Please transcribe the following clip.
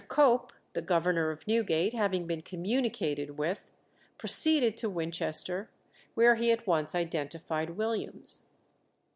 Cope, the governor of Newgate, having been communicated with, proceeded to Winchester, where he at once identified Williams.